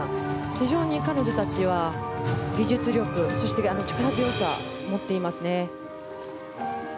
非常に彼女たちは技術力と力強さを持っていますね。